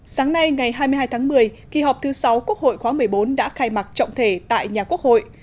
sáng nay ngày hai mươi hai tháng một mươi kỳ họp thứ sáu quốc hội khóa một mươi bốn đã khai mạc trọng thể tại nhà quốc hội